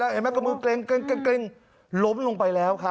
เห็นไหมกระมือเกร็งเกร็งเกร็งกลมลงไปแล้วครับ